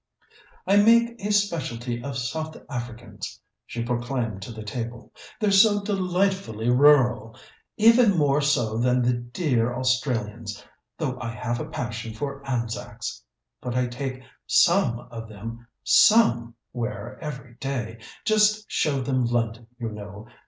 "I make a specialty of South Africans," she proclaimed to the table. "They're so delightfully rural even more so than the dear Australians, though I have a passion for Anzacs. But I take some of them _some_where every day just show them London, you know.